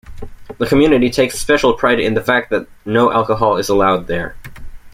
The community takes special pride in the fact that no alcohol is allowed there.